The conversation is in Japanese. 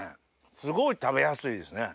すごい食べやすいですね。